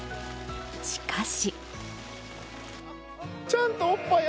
しかし。